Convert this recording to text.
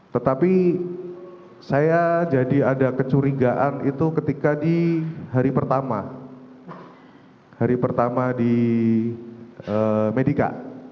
tetapi saya jadi ada kecurigaan itu ketika di hari pertama hari pertama di medica